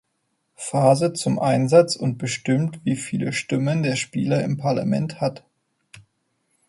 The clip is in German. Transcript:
Phase zum Einsatz und bestimmt wie viele Stimmen der Spieler im Parlament hat.